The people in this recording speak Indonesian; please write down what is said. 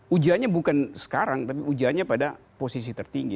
ujiannya bukan sekarang tapi ujiannya pada posisi tertinggi